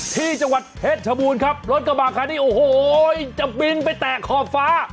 ที่จังหวัดเพชรชบูรณ์ครับรถกระบะคันนี้โอ้โหจะบินไปแตกขอบฟ้า